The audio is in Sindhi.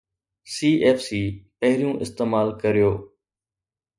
CFC پهريون استعمال ڪريو